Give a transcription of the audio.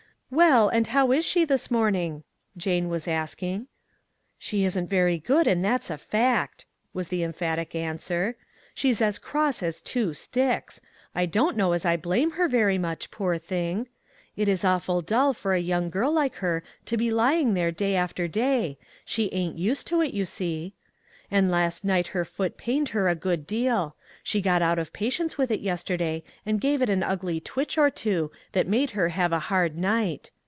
" Well, and how is she this morning ?" Jane was asking. " She isn't very good and that's a fact !" was the emphatic answer. " She's as cross 272 AFTER THE STORM as two sticks; but I don't know as I blame her very much, poor thing ! It is awful dull for a young girl like her to be lying there day after day ; she ain't used to it, you see ; and last night her foot pained her a good deal ; she got out of patience with it yesterday and gave it an ugly twitch or two that made her have a hard night.